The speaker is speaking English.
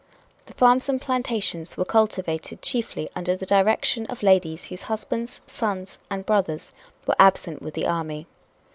The farms and plantations were cultivated chiefly under the direction of ladies whose husbands, sons and brothers were absent with the army.